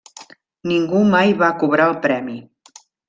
Ningú mai va cobrar el premi.